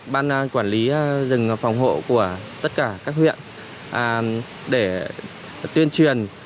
ban quản lý rừng phòng hộ của tất cả các huyện để tuyên truyền